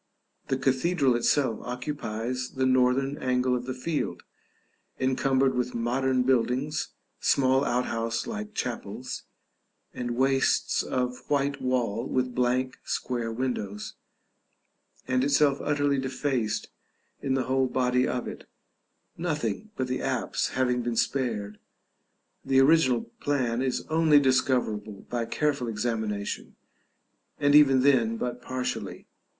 The cathedral itself occupies the northern angle of the field, encumbered with modern buildings, small outhouse like chapels, and wastes of white wall with blank square windows, and itself utterly defaced in the whole body of it, nothing but the apse having been spared; the original plan is only discoverable by careful examination, and even then but partially.